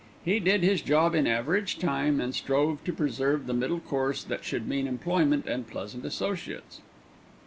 He did his job in average time, and strove to preserve the middle course that should mean employment and pleasant associates.